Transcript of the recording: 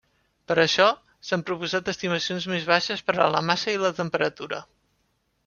Per això, s'han proposat estimacions més baixes per a la massa i la temperatura.